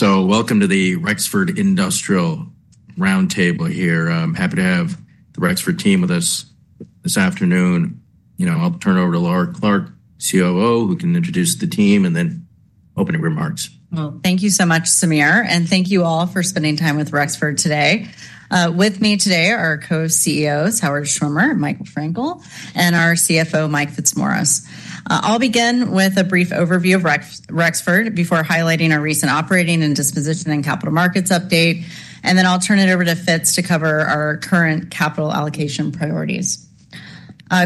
Welcome to the Rexford Industrial Roundtable here. I'm happy to have the Rexford team with us this afternoon. I'll turn it over to Laura Clark, COO, who can introduce the team and then opening remarks. Thank you so much, Samir. Thank you all for spending time with Rexford today. With me today are our Co-CEOs, Howard Schwimmer, Michael Frankel, and our CFO, Mike Fitzmaurice. I'll begin with a brief overview of Rexford before highlighting our recent operating and disposition and capital markets update. I'll then turn it over to Fitz to cover our current capital allocation priorities.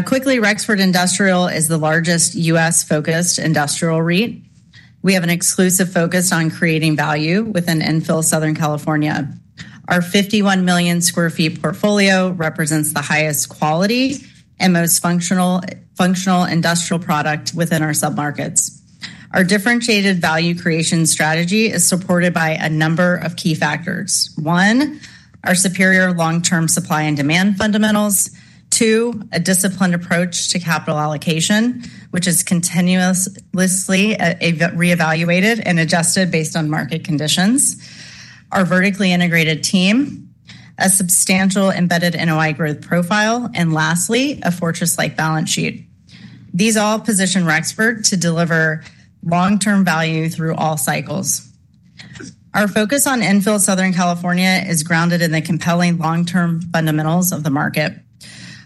Quickly, Rexford Industrial is the largest U.S.-focused industrial REIT. We have an exclusive focus on creating value within infill Southern California. Our 51 million square feet portfolio represents the highest quality and most functional industrial product within our submarkets. Our differentiated value creation strategy is supported by a number of key factors: one, our superior long-term supply and demand fundamentals; two, a disciplined approach to capital allocation, which is continuously reevaluated and adjusted based on market conditions; our vertically integrated team; a substantial embedded NOI growth profile; and lastly, a fortress-like balance sheet. These all position Rexford to deliver long-term value through all cycles. Our focus on infill Southern California is grounded in the compelling long-term fundamentals of the market.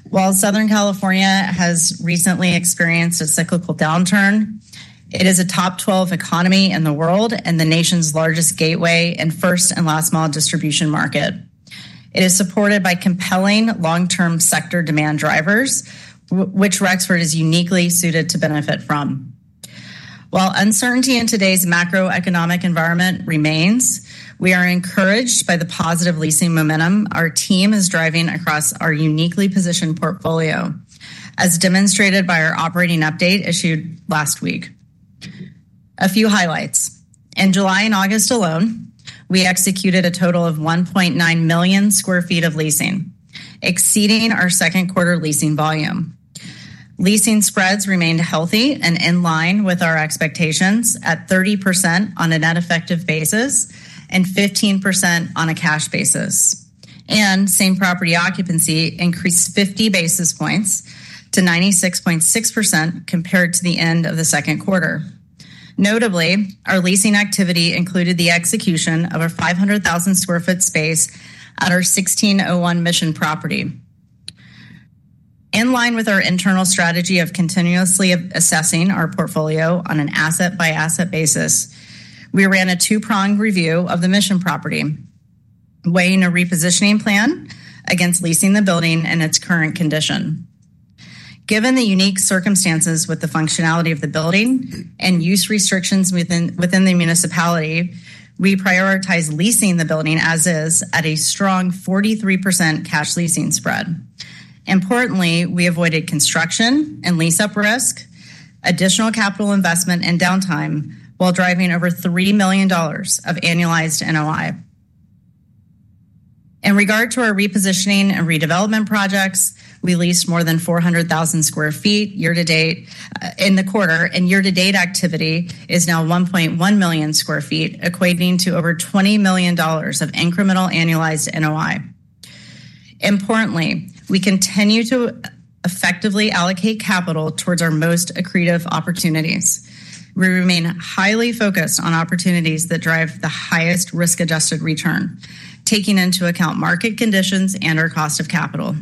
While Southern California has recently experienced a cyclical downturn, it is a top 12 economy in the world and the nation's largest gateway and first and last mile distribution market. It is supported by compelling long-term sector demand drivers, which Rexford is uniquely suited to benefit from. While uncertainty in today's macroeconomic environment remains, we are encouraged by the positive leasing momentum our team is driving across our uniquely positioned portfolio, as demonstrated by our operating update issued last week. A few highlights: in July and August alone, we executed a total of 1.9 million square feet of leasing, exceeding our second quarter leasing volume. Leasing spreads remained healthy and in line with our expectations at 30% on a net effective basis and 15% on a cash basis. Same property occupancy increased 50 basis points-96.6% compared to the end of the second quarter. Notably, our leasing activity included the execution of a 500,000 square foot space at our 1601 Mission property. In line with our internal strategy of continuously assessing our portfolio on an asset-by-asset basis, we ran a two-pronged review of the Mission property, weighing a repositioning plan against leasing the building in its current condition. Given the unique circumstances with the functionality of the building and use restrictions within the municipality, we prioritized leasing the building as is at a strong 43% cash leasing spread. Importantly, we avoided construction and lease-up risk, additional capital investment, and downtime while driving over $3 million of annualized NOI. In regard to our repositioning and redevelopment projects, we leased more than 400,000 square feet year to date in the quarter, and year-to-date activity is now 1.1 million square feet, equating to over $20 million of incremental annualized NOI. Importantly, we continue to effectively allocate capital towards our most accretive opportunities. We remain highly focused on opportunities that drive the highest risk-adjusted return, taking into account market conditions and our cost of capital.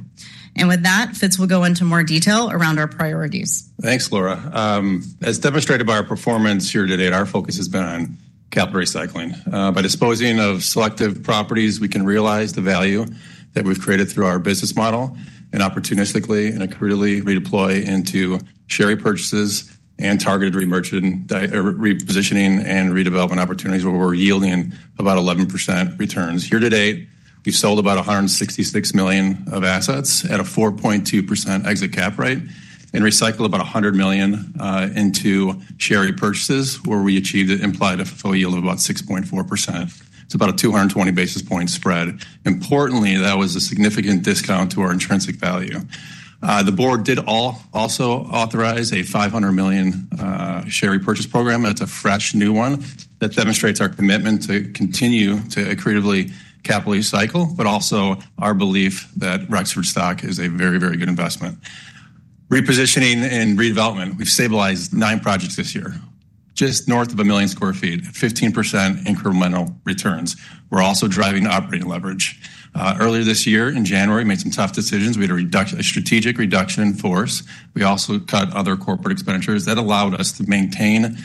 Fitz will go into more detail around our priorities. Thanks, Laura. As demonstrated by our performance here today, our focus has been on capital recycling. By disposing of selective properties, we can realize the value that we've created through our business model and opportunistically and accretively redeploy into share purchases and targeted repositioning and redevelopment opportunities where we're yielding about 11% returns. Year-to- date, we've sold about $166 million of assets at a 4.2% exit cap rate and recycled about $100 million into share purchases where we achieved an implied FFO yield of about 6.4%. It's about a 220 basis point spread. Importantly, that was a significant discount to our intrinsic value. The Board did also authorize a $500 million share purchase program. That's a fresh new one that demonstrates our commitment to continue to accretively capital recycle, but also our belief that Rexford stock is a very, very good investment. Repositioning and redevelopment, we've stabilized nine projects this year, just north of a million square feet, 15% incremental returns. We're also driving operating leverage. Earlier this year, in January, we made some tough decisions. We had a strategic reduction in force. We also cut other corporate expenditures that allowed us to maintain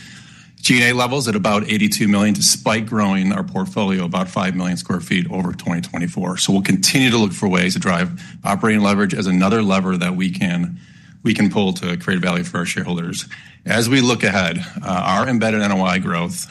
G&A levels at about $82 million, despite growing our portfolio about 5 million square feet over 2024. We will continue to look for ways to drive operating leverage as another lever that we can pull to create value for our shareholders. As we look ahead, our embedded NOI growth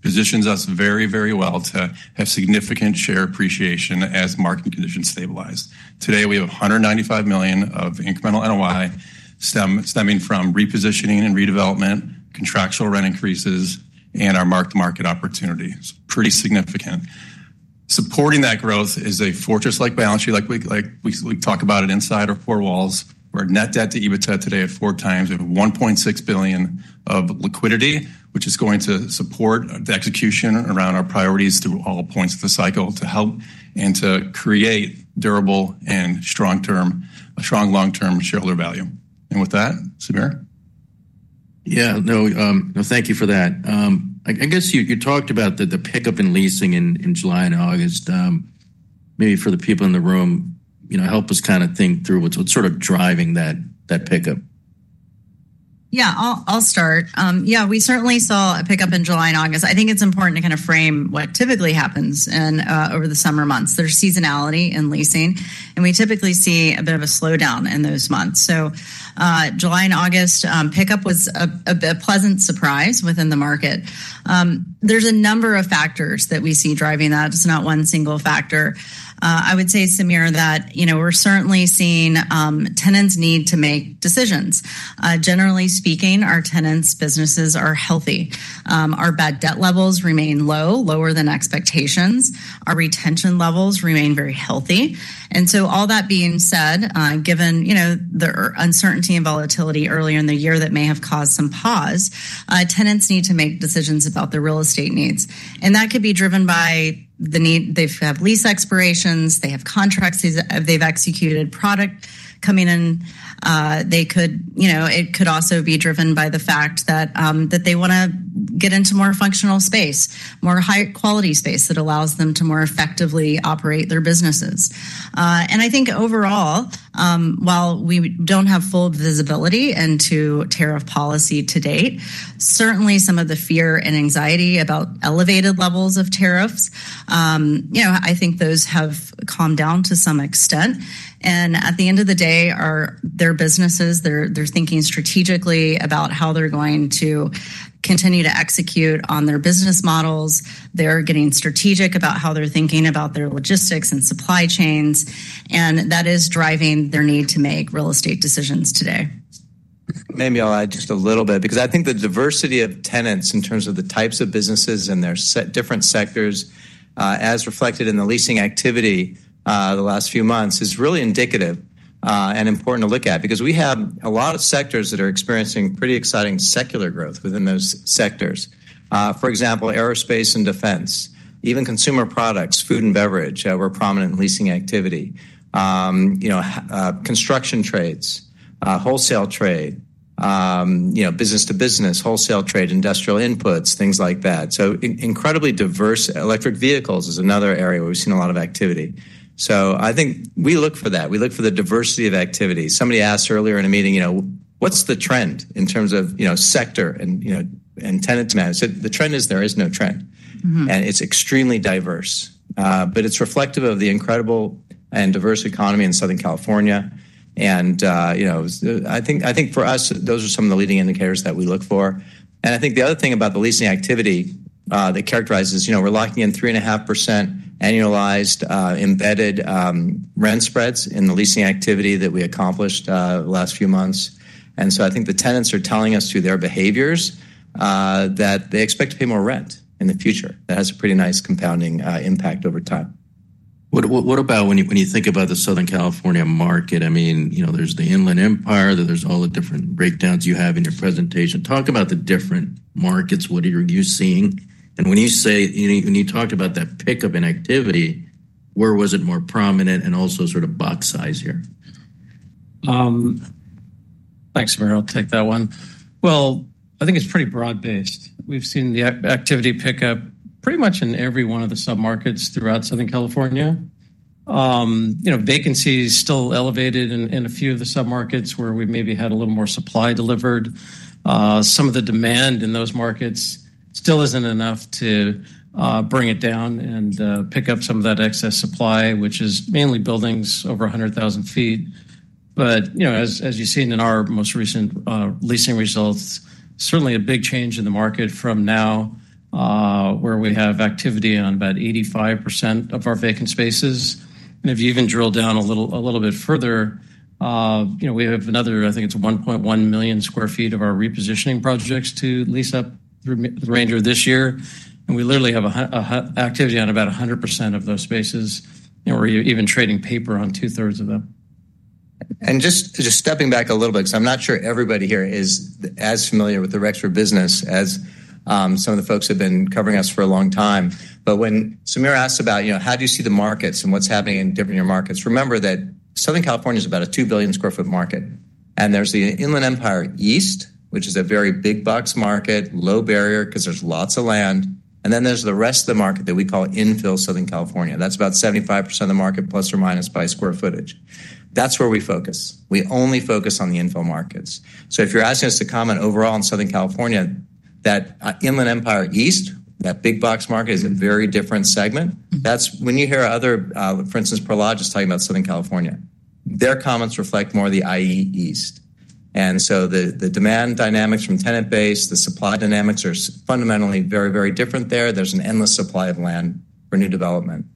positions us very, very well to have significant share appreciation as market conditions stabilize. Today, we have $195 million of incremental NOI stemming from repositioning and redevelopment, contractual rent increases, and our mark-to-market opportunities, pretty significant. Supporting that growth is a fortress-like balance sheet, like we talk about it inside our four walls. We're net debt to EBITDA today at four times. We have $1.6 billion of liquidity, which is going to support the execution around our priorities through all points of the cycle to help and to create durable and strong long-term shareholder value. With that, Samir? Yeah. No, thank you for that. I guess you talked about the pickup in leasing in July and August. Maybe for the people in the room, help us kind of think through what's sort of driving that pickup. Yeah, I'll start. We certainly saw a pickup in July and August. I think it's important to kind of frame what typically happens over the summer months. There's seasonality in leasing, and we typically see a bit of a slowdown in those months. July and August pickup was a pleasant surprise within the market. There's a number of factors that we see driving that. It's not one single factor. I would say, Samir, that we're certainly seeing tenants need to make decisions. Generally speaking, our tenants' businesses are healthy. Our bad debt levels remain low, lower than expectations. Our retention levels remain very healthy. All that being said, given the uncertainty and volatility earlier in the year that may have caused some pause, tenants need to make decisions about their real estate needs. That could be driven by the need they have lease expirations, they have contracts they've executed, product coming in. It could also be driven by the fact that they want to get into more functional space, more high-quality space that allows them to more effectively operate their businesses. I think overall, while we don't have full visibility into tariff policy to date, certainly some of the fear and anxiety about elevated levels of tariffs, I think those have calmed down to some extent. At the end of the day, their businesses, they're thinking strategically about how they're going to continue to execute on their business models. They're getting strategic about how they're thinking about their logistics and supply chains. That is driving their need to make real estate decisions today. Maybe I'll add just a little bit, because I think the diversity of tenants in terms of the types of businesses and their different sectors, as reflected in the leasing activity the last few months, is really indicative and important to look at, because we have a lot of sectors that are experiencing pretty exciting secular growth within those sectors. For example, aerospace and defense, even consumer products, food and beverage, were prominent in leasing activity. Construction trades, wholesale trade, business-to-business, wholesale trade, industrial inputs, things like that. Incredibly diverse. Electric vehicles is another area where we've seen a lot of activity. I think we look for that. We look for the diversity of activity. Somebody asked earlier in a meeting, what's the trend in terms of sector and tenant demand? I said the trend is there is no trend. It's extremely diverse. It's reflective of the incredible and diverse economy in Southern California. I think for us, those are some of the leading indicators that we look for. I think the other thing about the leasing activity that characterizes, we're locking in 3.5% annualized embedded rent spreads in the leasing activity that we accomplished the last few months. I think the tenants are telling us through their behaviors that they expect to pay more rent in the future. That has a pretty nice compounding impact over time. What about when you think about the Southern California market? I mean, there's the Inland Empire, there's all the different breakdowns you have in your presentation. Talk about the different markets. What are you seeing? When you say, when you talked about that pickup in activity, where was it more prominent and also sort of box size here? Thanks, Farron. I'll take that one. I think it's pretty broad-based. We've seen the activity pick up pretty much in every one of the submarkets throughout Southern California. Vacancies are still elevated in a few of the submarkets where we maybe had a little more supply delivered. Some of the demand in those markets still isn't enough to bring it down and pick up some of that excess supply, which is mainly buildings over 100,000 feet. As you've seen in our most recent leasing results, certainly a big change in the market from now where we have activity on about 85% of our vacant spaces. If you even drill down a little bit further, we have another, I think it's 1.1 million square feet of our repositioning projects to lease up the remainder of this year. We literally have activity on about 100% of those spaces, where you're even trading paper on two-thirds of them. Just stepping back a little bit, because I'm not sure everybody here is as familiar with the Rexford business as some of the folks who have been covering us for a long time. When Samir asked about how do you see the markets and what's happening in different markets, remember that Southern California is about a 2 billion square foot market. There's the Inland Empire East, which is a very big box market, low barrier, because there's lots of land. Then there's the rest of the market that we call Enfield Southern California. That's about 75% of the market, plus or minus by square footage. That's where we focus. We only focus on the Enfield markets. If you're asking us to comment overall on Southern California, that Inland Empire East, that big box market, is a very different segment. When you hear others, for instance, Perla just talking about Southern California, their comments reflect more of the IE East. The demand dynamics from tenant base, the supply dynamics are fundamentally very, very different there. There's an endless supply of land for new development.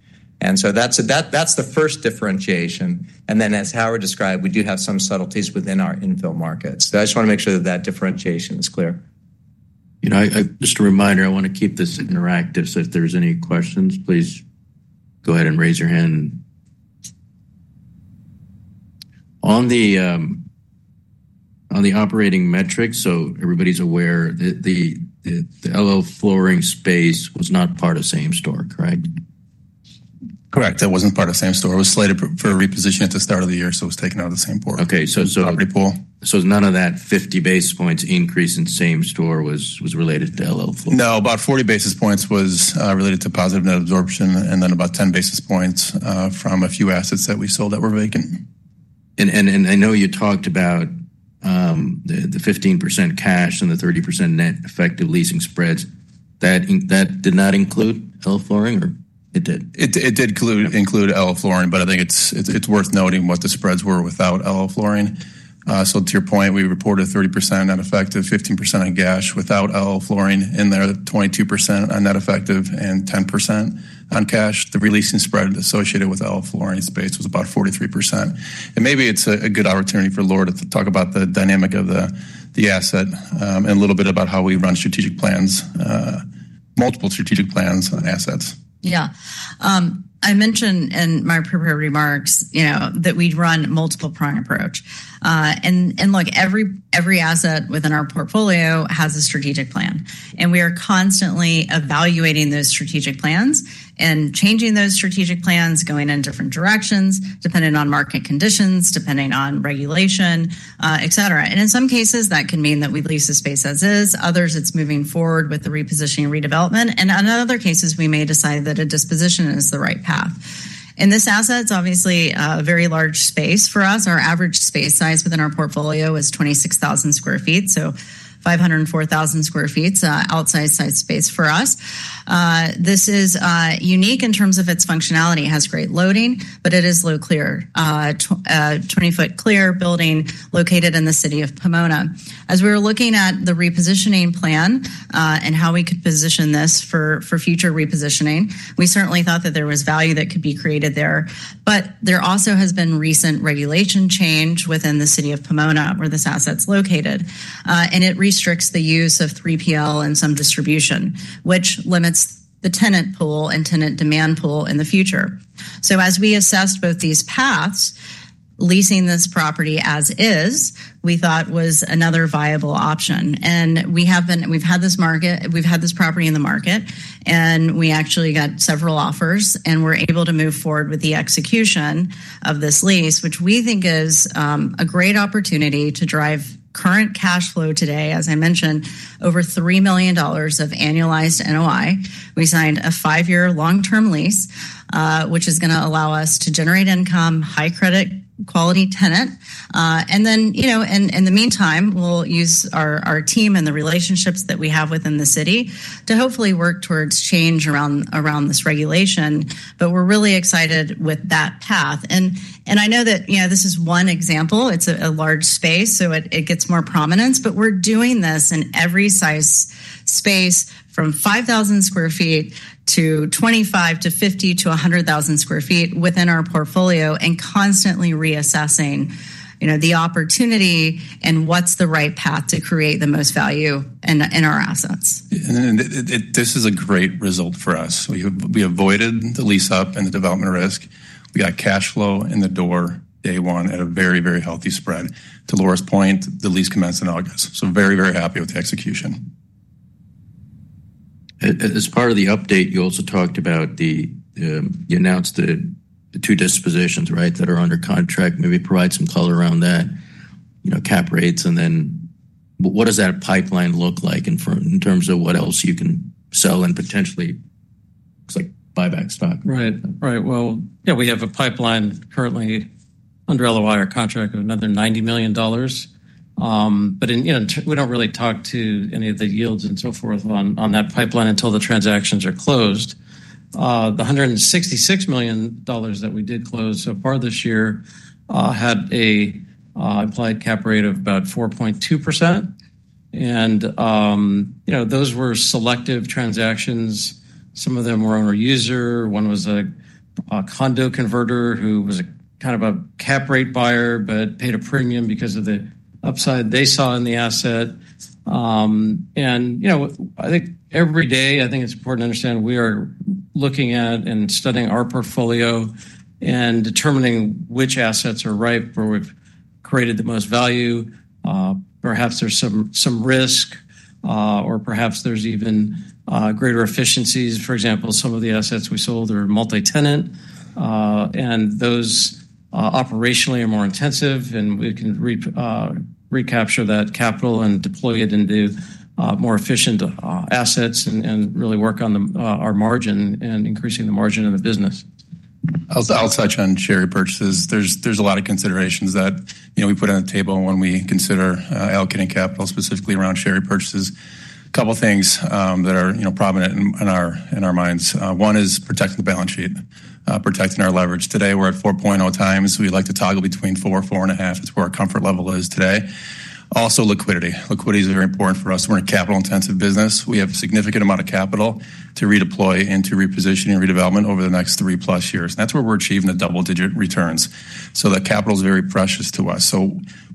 That's the first differentiation. As Howard described, we do have some subtleties within our Enfield markets. I just want to make sure that that differentiation is clear. Just a reminder, I want to keep this interactive. If there's any questions, please go ahead and raise your hand. On the operating metrics, so everybody's aware, the LO flooring space was not part of Same Store. Correct? Correct. That wasn't part of Same Store. It was slated for a reposition at the start of the year, so it was taken out of the Same Store. OK. None of that 50 basis points increase in Same Store was related to LO flooring? No, about 40 basis points was related to positive net absorption, and then about 10 basis points from a few assets that we sold that were vacant. I know you talked about the 15% cash and the 30% net effective leasing spreads. Did that include LO flooring, or it didn't? It did include LO flooring, but I think it's worth noting what the spreads were without LO flooring. To your point, we reported 30% on effective, 15% on cash without LO flooring in there, 22% on net effective, and 10% on cash. The releasing spread associated with LO flooring space was about 43%. Maybe it's a good opportunity for Laura to talk about the dynamic of the asset and a little bit about how we run strategic plans, multiple strategic plans on assets. Yeah. I mentioned in my prepared remarks that we'd run a multiple-prong approach. Every asset within our portfolio has a strategic plan. We are constantly evaluating those strategic plans and changing those strategic plans, going in different directions, depending on market conditions, depending on regulation, et cetera. In some cases, that can mean that we lease a space as is. Others, it's moving forward with the repositioning and redevelopment. In other cases, we may decide that a disposition is the right path. In this asset is obviously a very large space for us. Our average space size within our portfolio is 26,000 square feet, so 504,000 square feet is an outside size space for us. This is unique in terms of its functionality. It has great loading, but it is low clear, a 20-foot clear building located in the city of Pomona. As we were looking at the repositioning plan and how we could position this for future repositioning, we certainly thought that there was value that could be created there. There also has been recent regulation change within the city of Pomona, where this asset is located. It restricts the use of 3PL and some distribution, which limits the tenant pool and tenant demand pool in the future. As we assessed both these paths, leasing this property as is, we thought, was another viable option. We've had this property in the market, and we actually got several offers, and we're able to move forward with the execution of this lease, which we think is a great opportunity to drive current cash flow today, as I mentioned, over $3 million of annualized NOI. We signed a five-year long-term lease, which is going to allow us to generate income, high credit quality tenant. In the meantime, we'll use our team and the relationships that we have within the city to hopefully work towards change around this regulation. We're really excited with that path. I know that this is one example. It's a large space, so it gets more prominence. We're doing this in every size space, from 5,000 square feet-25 square feet-50 square feet-100,000 square feet within our portfolio, and constantly reassessing the opportunity and what's the right path to create the most value in our assets. This is a great result for us. We avoided the lease-up and the development risk. We got cash flow in the door day one at a very, very healthy spread. To Laura's point, the lease commenced in August. Very, very happy with the execution. As part of the update, you also talked about you announced the two dispositions that are under contract. Maybe provide some color around that, cap rates. What does that pipeline look like in terms of what else you can sell and potentially buy back stock? Right. We have a pipeline currently under LOI or contract at another $90 million. We don't really talk to any of the yields and so forth on that pipeline until the transactions are closed. The $166 million that we did close so far this year had an implied cap rate of about 4.2%. Those were selective transactions. Some of them were owner-user. One was a condo converter who was kind of a cap rate buyer but paid a premium because of the upside they saw in the asset. I think every day, it's important to understand we are looking at and studying our portfolio and determining which assets are ripe where we've created the most value. Perhaps there's some risk, or perhaps there's even greater efficiencies. For example, some of the assets we sold are multi-tenant. Those operationally are more intensive, and we can recapture that capital and deploy it into more efficient assets and really work on our margin and increasing the margin in the business. I'll touch on share purchases. There's a lot of considerations that we put on the table when we consider allocating capital, specifically around share purchases. A couple of things that are prominent in our minds. One is protecting the balance sheet, protecting our leverage. Today, we're at 4.0 times. We like to toggle between 4-4.5. That's where our comfort level is today. Also, liquidity. Liquidity is very important for us. We're a capital-intensive business. We have a significant amount of capital to redeploy into repositioning and redevelopment over the next three-plus years. That's where we're achieving the double-digit returns. That capital is very precious to us.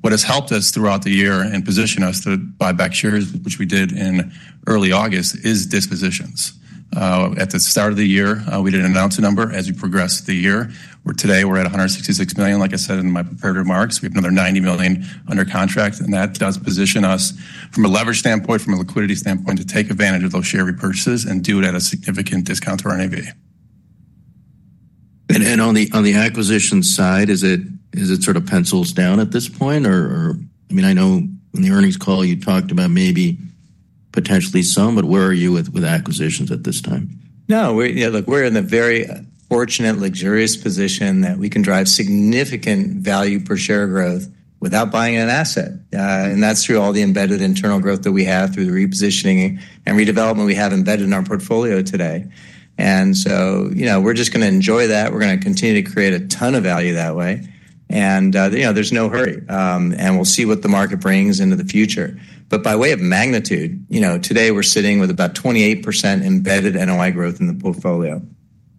What has helped us throughout the year and positioned us to buy back shares, which we did in early August, is dispositions. At the start of the year, we didn't announce a number. As you progress the year, today we're at $166 million. Like I said in my prepared remarks, we have another $90 million under contract. That does position us from a leverage standpoint, from a liquidity standpoint, to take advantage of those share purchases and do it at a significant discount to our NAV. On the acquisition side, is it sort of pencils down at this point? I know in the earnings call you talked about maybe potentially some, but where are you with acquisitions at this time? Yeah, look, we're in a very fortunate, luxurious position that we can drive significant value per share growth without buying an asset. That's through all the embedded internal growth that we have through the repositioning and redevelopment we have embedded in our portfolio today. We're just going to enjoy that. We're going to continue to create a ton of value that way. There's no hurry. We'll see what the market brings into the future. By way of magnitude, today we're sitting with about 28% embedded NOI growth in the portfolio.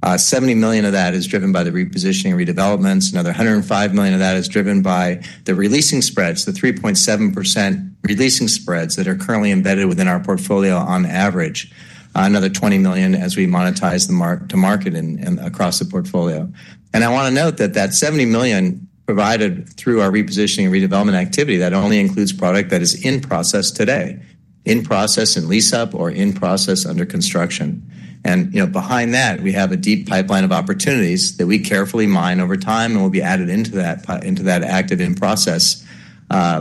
$70 million of that is driven by the repositioning and redevelopments. Another $105 million of that is driven by the releasing spreads, the 3.7% releasing spreads that are currently embedded within our portfolio on average. Another $20 million as we monetize the mark-to-market and across the portfolio. I want to note that that $70 million provided through our repositioning and redevelopment activity only includes product that is in process today, in process and lease-up, or in process under construction. Behind that, we have a deep pipeline of opportunities that we carefully mine over time and will be added into that active in-process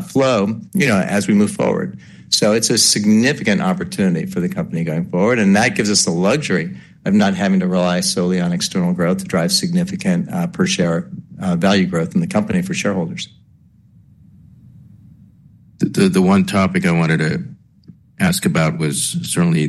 flow as we move forward. It's a significant opportunity for the company going forward. That gives us the luxury of not having to rely solely on external growth to drive significant per share value growth in the company for shareholders. The one topic I wanted to ask about was certainly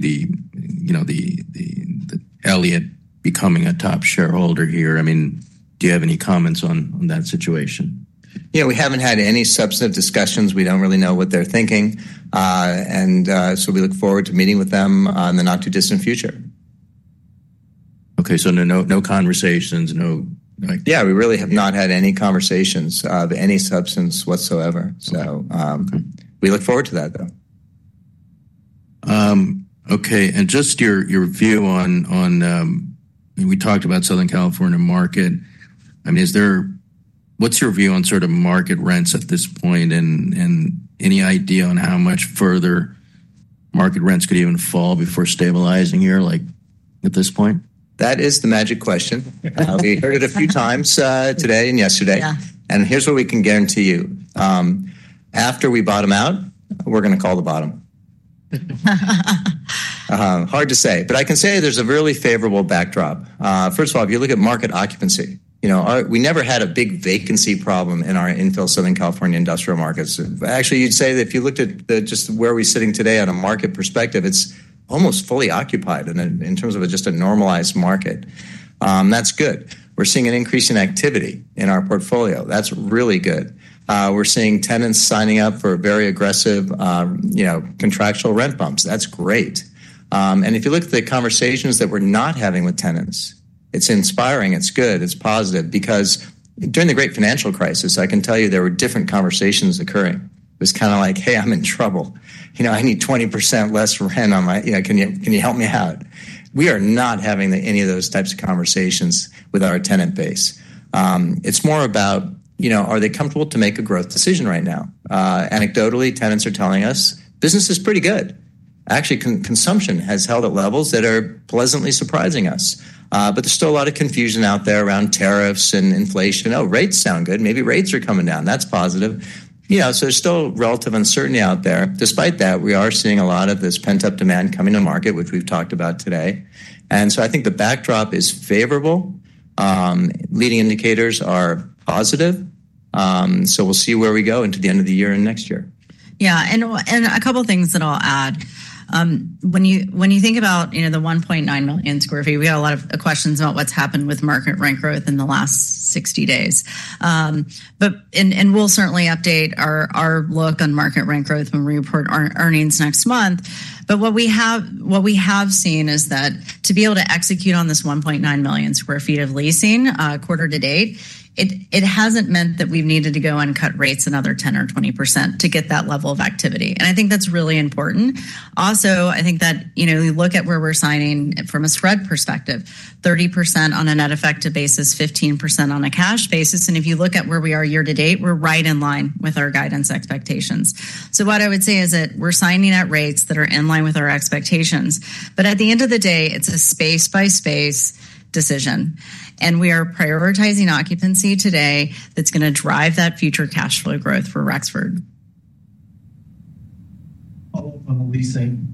Elliott becoming a top shareholder here. Do you have any comments on that situation? Yeah, we haven't had any substantive discussions. We don't really know what they're thinking. We look forward to meeting with them in the not-too-distant future. OK, so no conversations, no? Yeah, we really have not had any conversations, any substance whatsoever. We look forward to that, though. Okay, and just your view on, we talked about the Southern California market. What's your view on sort of market rents at this point? Any idea on how much further market rents could even fall before stabilizing here, like at this point? That is the magic question. I've heard it a few times today and yesterday. Here's what we can guarantee you. After we bottom out, we're going to call the bottom. Hard to say. I can say there's a really favorable backdrop. First of all, if you look at market occupancy, we never had a big vacancy problem in our infill Southern California industrial markets. Actually, you'd say that if you looked at just where we're sitting today on a market perspective, it's almost fully occupied in terms of just a normalized market. That's good. We're seeing an increase in activity in our portfolio. That's really good. We're seeing tenants signing up for very aggressive contractual rent bumps. That's great. If you look at the conversations that we're not having with tenants, it's inspiring. It's good. It's positive. During the great financial crisis, I can tell you there were different conversations occurring. It was kind of like, hey, I'm in trouble. I need 20% less rent on my, can you help me out? We are not having any of those types of conversations with our tenant base. It's more about, are they comfortable to make a growth decision right now? Anecdotally, tenants are telling us business is pretty good. Actually, consumption has held at levels that are pleasantly surprising us. There's still a lot of confusion out there around tariffs and inflation. Rates sound good. Maybe rates are coming down. That's positive. There's still relative uncertainty out there. Despite that, we are seeing a lot of this pent-up demand coming to market, which we've talked about today. I think the backdrop is favorable. Leading indicators are positive. We'll see where we go into the end of the year and next year. Yeah, and a couple of things that I'll add. When you think about the 1.9 million square feet, we got a lot of questions about what's happened with market rent growth in the last 60 days. We'll certainly update our look on market rent growth when we report our earnings next month. What we have seen is that to be able to execute on this 1.9 million square feet of leasing quarter-to-date, it hasn't meant that we've needed to go and cut rates another 10% or 20% to get that level of activity. I think that's really important. Also, I think that you look at where we're signing from a spread perspective, 30% on a net effective basis, 15% on a cash basis. If you look at where we are year-to-date, we're right in line with our guidance expectations. What I would say is that we're signing at rates that are in line with our expectations. At the end of the day, it's a space-by-space decision. We are prioritizing occupancy today that's going to drive that future cash flow growth for Rexford. On the leasing,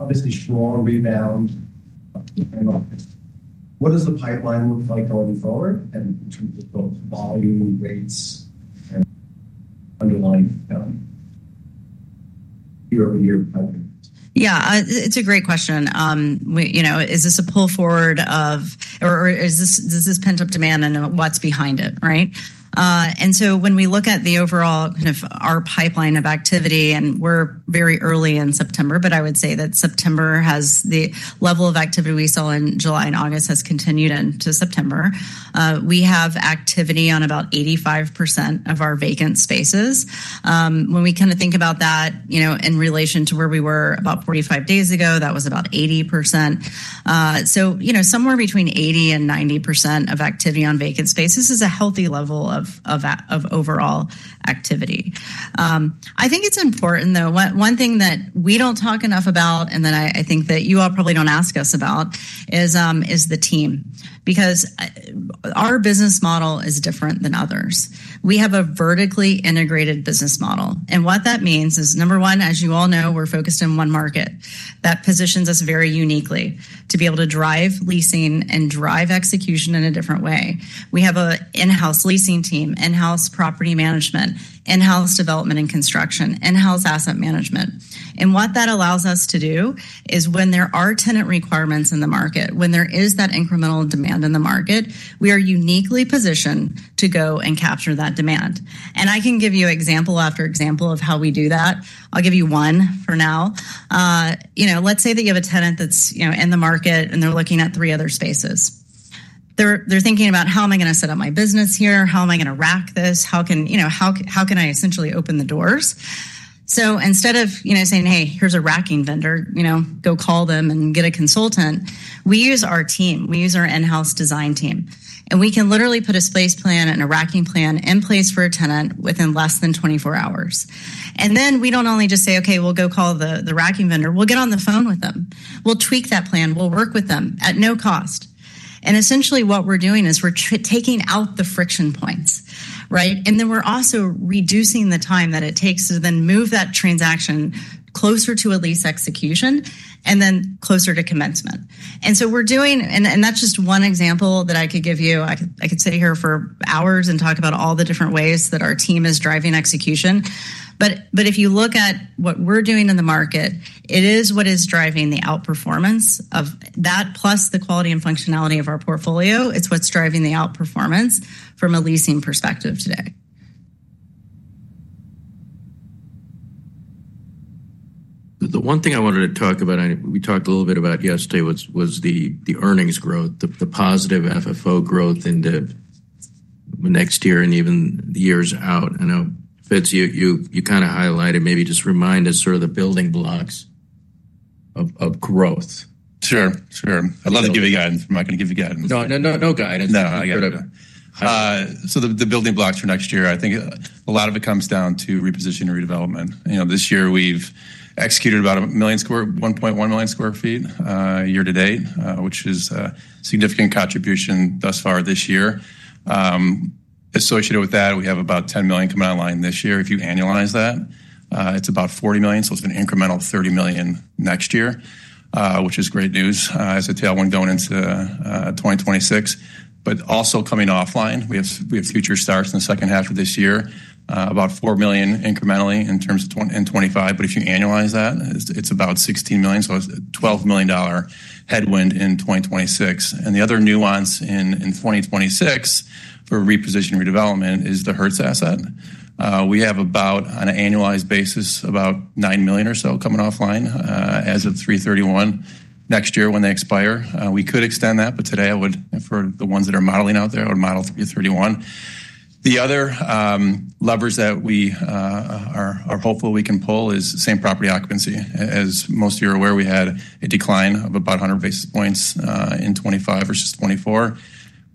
obviously, sure, rebound. What does the pipeline look like going forward in terms of both volume and rates? Yeah, it's a great question. Is this a pull forward of, or is this, does this pent-up demand, and what's behind it? When we look at the overall kind of our pipeline of activity, and we're very early in September, I would say that September has the level of activity we saw in July and August and has continued into September. We have activity on about 85% of our vacant spaces. When we think about that in relation to where we were about 45 days ago, that was about 80%. Somewhere between 80%-90% of activity on vacant spaces is a healthy level of overall activity. I think it's important, though, one thing that we don't talk enough about, and that I think that you all probably don't ask us about, is the team. Our business model is different than others. We have a vertically integrated business model. What that means is, number one, as you all know, we're focused in one market. That positions us very uniquely to be able to drive leasing and drive execution in a different way. We have an in-house leasing team, in-house property management, in-house development and construction, in-house asset management. What that allows us to do is when there are tenant requirements in the market, when there is that incremental demand in the market, we are uniquely positioned to go and capture that demand. I can give you example after example of how we do that. I'll give you one for now. Let's say that you have a tenant that's in the market and they're looking at three other spaces. They're thinking about, how am I going to set up my business here? How am I going to rack this? How can I essentially open the doors? Instead of saying, hey, here's a racking vendor, go call them and get a consultant, we use our team. We use our in-house design team. We can literally put a space plan and a racking plan in place for a tenant within less than 24 hours. We don't only just say, okay, we'll go call the racking vendor. We'll get on the phone with them. We'll tweak that plan. We'll work with them at no cost. Essentially, what we're doing is we're taking out the friction points. We're also reducing the time that it takes to then move that transaction closer to a lease execution and then closer to commencement. That's just one example that I could give you. I could sit here for hours and talk about all the different ways that our team is driving execution. If you look at what we're doing in the market, it is what is driving the outperformance of that, plus the quality and functionality of our portfolio. It's what's driving the outperformance from a leasing perspective today. The one thing I wanted to talk about, we talked a little bit about yesterday, was the earnings growth, the positive FFO growth into next year and even the years out. I know, Fitz, you kind of highlighted, maybe just remind us sort of the building blocks of growth. Sure. I'm not going to give you guidance. I'm not going to give you guidance. No guidance. The building blocks for next year, I think a lot of it comes down to repositioning and redevelopment. This year, we've executed about 1.1 million square feet year-to-date, which is a significant contribution thus far this year. Associated with that, we have about $10 million coming online this year. If you annualize that, it's about $40 million. It's an incremental $30 million next year, which is great news, as I tell you, when going into 2026. Also coming offline, we have future starts in the second half of this year, about $4 million incrementally in terms of 2025. If you annualize that, it's about $16 million. It's a $12 million headwind in 2026. The other nuance in 2026 for repositioning and redevelopment is the Hertz asset. We have, on an annualized basis, about $9 million or so coming offline as of 3/31 next year when they expire. We could extend that. For the ones that are modeling out there, I would model 3/31. The other levers that we are hopeful we can pull is same property occupancy. As most of you are aware, we had a decline of about 100 basis points in 2025 versus 2024.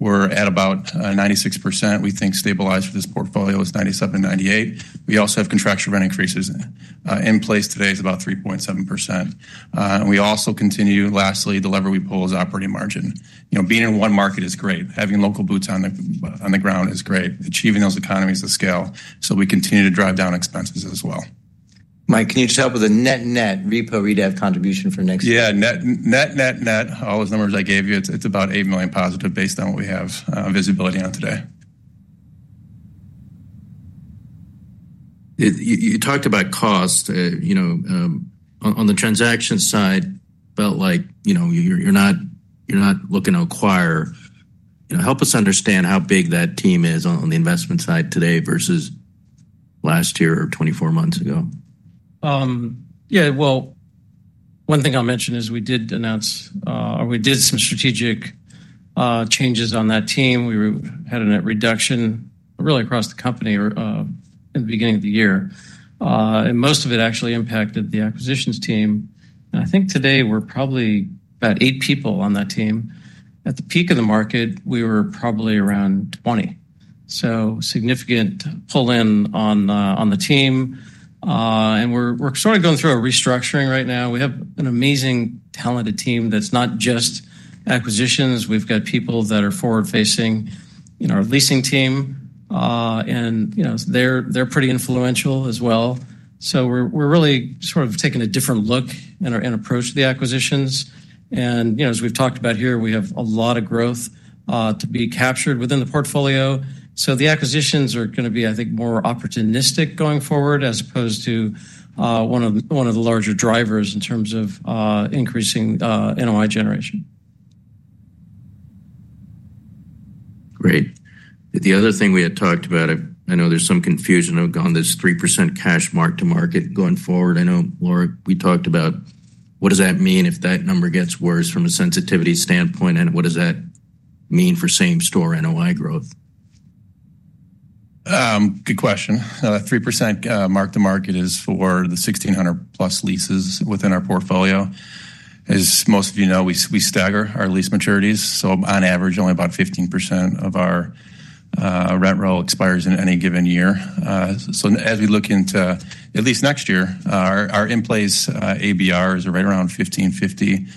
We're at about 96%. We think stabilized for this portfolio is 97%-98%. We also have contractual rent increases in place. Today is about 3.7%. Lastly, the lever we pull is operating margin. Being in one market is great. Having local boots on the ground is great, achieving those economies of scale. We continue to drive down expenses as well. Mike, can you tell what the net net repo redevelopment contribution for next year is? Net, net, net, all those numbers I gave you, it's about $8 million positive based on what we have visibility on today. You talked about cost. On the transaction side, felt like you're not looking to acquire. Help us understand how big that team is on the investment side today versus last year or 24 months ago. Yeah, one thing I'll mention is we did announce, or we did some strategic changes on that team. We had a net reduction really across the company in the beginning of the year. Most of it actually impacted the acquisitions team. I think today we're probably about eight people on that team. At the peak of the market, we were probably around 20. Significant pull-in on the team. We're sort of going through a restructuring right now. We have an amazing talented team that's not just acquisitions. We've got people that are forward-facing in our leasing team, and they're pretty influential as well. We're really sort of taking a different look and approach to the acquisitions. As we've talked about here, we have a lot of growth to be captured within the portfolio. The acquisitions are going to be, I think, more opportunistic going forward as opposed to one of the larger drivers in terms of increasing NOI generation. Great. The other thing we had talked about, I know there's some confusion on this 3% cash mark-to-market going forward. I know, Laura, we talked about what does that mean if that number gets worse from a sensitivity standpoint? What does that mean for Same Store NOI growth? Good question. 3% mark-to-market is for the 1,600 plus leases within our portfolio. As most of you know, we stagger our lease maturities. On average, only about 15% of our rent roll expires in any given year. As we look into at least next year, our in-place ABRs are right around $15.50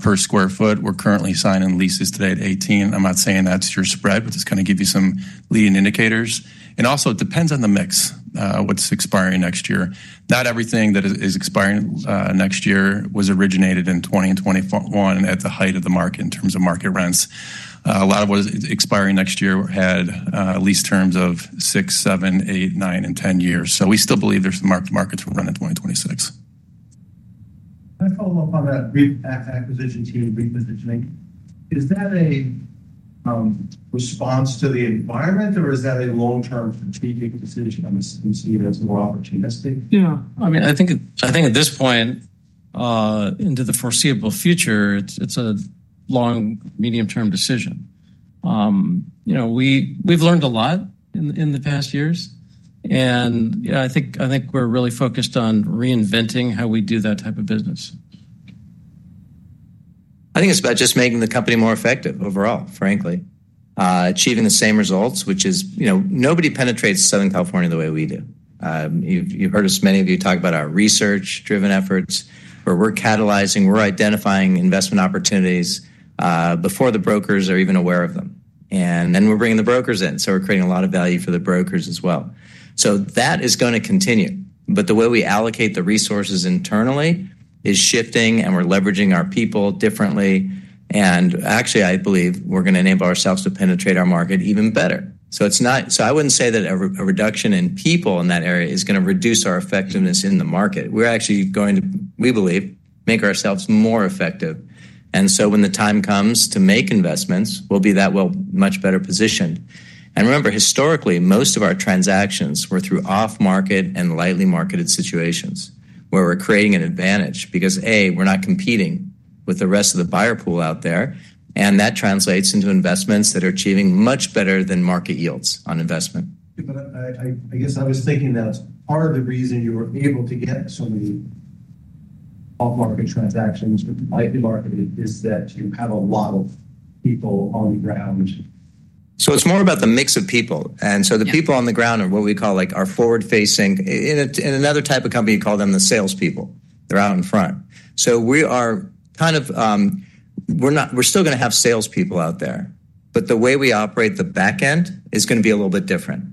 per square foot. We're currently signing leases today at $18. I'm not saying that's your spread, but just kind of give you some leading indicators. It also depends on the mix, what's expiring next year. Not everything that is expiring next year was originated in 2021 at the height of the market in terms of market rents. A lot of what is expiring next year had lease terms of 6, 7, 8, 9, and 10 years. We still believe there's markets for rent in 2026. Let's talk about the acquisition team repositioning. Is that a response to the environment, or is that a long-term strategic decision that's seen as a lot of changes? Yeah, I mean, I think at this point into the foreseeable future, it's a long, medium-term decision. We've learned a lot in the past years. I think we're really focused on reinventing how we do that type of business. I think it's about just making the company more effective overall, frankly. Achieving the same results, which is nobody penetrates Southern California the way we do. You've heard us, many of you, talk about our research-driven efforts, where we're catalyzing, we're identifying investment opportunities before the brokers are even aware of them. We're bringing the brokers in, creating a lot of value for the brokers as well. That is going to continue. The way we allocate the resources internally is shifting, and we're leveraging our people differently. Actually, I believe we're going to enable ourselves to penetrate our market even better. I wouldn't say that a reduction in people in that area is going to reduce our effectiveness in the market. We're actually going to, we believe, make ourselves more effective. When the time comes to make investments, we'll be that much better positioned. Remember, historically, most of our transactions were through off-market and lightly marketed situations where we're creating an advantage, because A, we're not competing with the rest of the buyer pool out there. That translates into investments that are achieving much better than market yields on investment. I was thinking that part of the reason you were able to get so many off-market transactions to be lightly marketed is that you have a lot of people on the ground. It is more about the mix of people. The people on the ground are what we call our forward-facing; in another type of company, you would call them the salespeople. They're out in front. We are still going to have salespeople out there, but the way we operate the back end is going to be a little bit different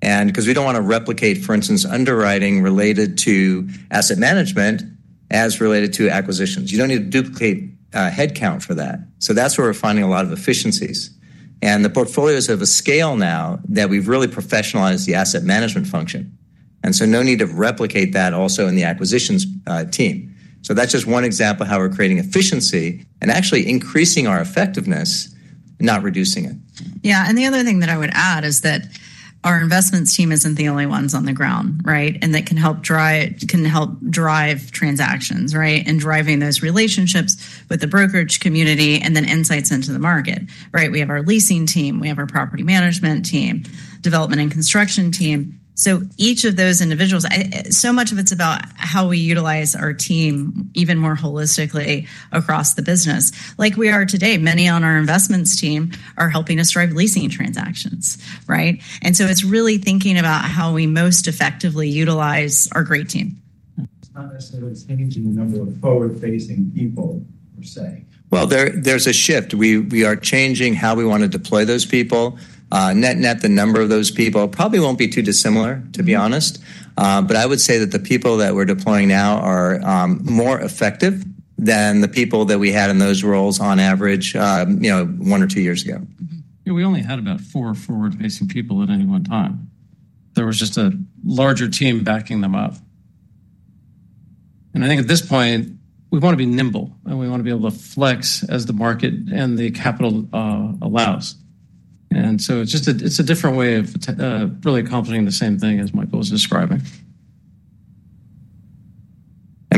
because we don't want to replicate, for instance, underwriting related to asset management as related to acquisitions. You don't need to duplicate headcount for that. That is where we're finding a lot of efficiencies. The portfolios have a scale now that we've really professionalized the asset management function, so there is no need to replicate that also in the acquisitions team. That is just one example of how we're creating efficiency and actually increasing our effectiveness, not reducing it. Yeah, the other thing that I would add is that our investments team isn't the only ones on the ground, right? That can help drive transactions, right? Driving those relationships with the brokerage community and then insights into the market. We have our leasing team, we have our property management team, development and construction team. Each of those individuals, so much of it's about how we utilize our team even more holistically across the business. Like we are today, many on our investments team are helping us drive leasing transactions, right? It's really thinking about how we most effectively utilize our great team. I just heard a change in the number of forward-facing people, you're saying. There is a shift. We are changing how we want to deploy those people. Net-net, the number of those people probably won't be too dissimilar, to be honest. I would say that the people that we're deploying now are more effective than the people that we had in those roles on average one or two years ago. We only had about four forward-facing people at any one time. There was just a larger team backing them up. I think at this point, we want to be nimble, and we want to be able to flex as the market and the capital allows. It's just a different way of really accomplishing the same thing as Michael was describing.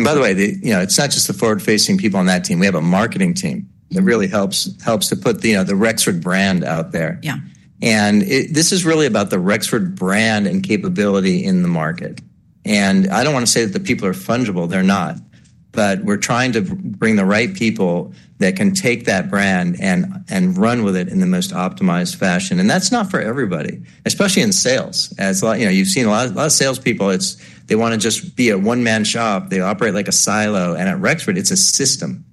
By the way, it's not just the forward-facing people on that team. We have a marketing team that really helps to put the Rexford brand out there. This is really about the Rexford brand and capability in the market. I don't want to say that the people are fungible. They're not. We're trying to bring the right people that can take that brand and run with it in the most optimized fashion. That's not for everybody, especially in sales. You've seen a lot of salespeople, they want to just be a one-man shop. They operate like a silo. At Rexford, it's a system.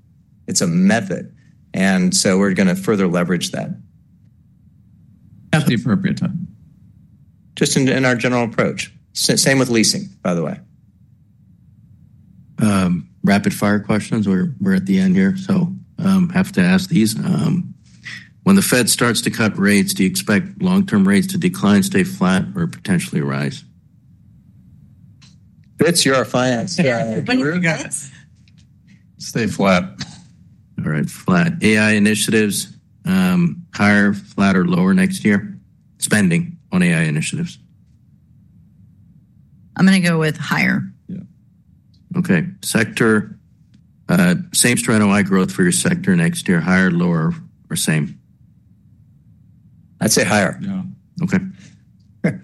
It's a method. We're going to further leverage that. At the appropriate time. Just in our general approach, same with leasing, by the way. Rapid-fire questions. We're at the end here, so I have to ask these. When the Fed starts to cut rates, do you expect long-term rates to decline, stay flat, or potentially rise? Fitz, you're our finance guy. Stay flat. All right, flat. AI initiatives, higher, flat, or lower next year? Spending on AI initiatives. I'm going to go with higher. OK, sector, same strength. NOI growth for your sector next year, higher, lower, or same? I'd say higher. Yeah. OK.